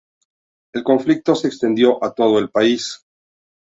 El conflicto se extendió a todo el país.